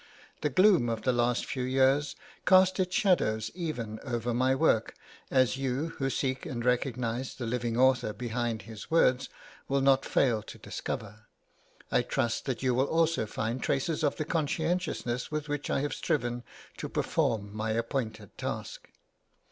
The gloom of the last few years cast its shadows even over my work, as you, who seek and recognise the living author behind his words, will not fail to discover; I trust that you will also find traces of the conscientiousness with which I have striven to perform my appointed task.